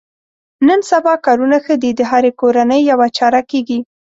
نن سبا کارونه ښه دي د هرې کورنۍ یوه چاره کېږي.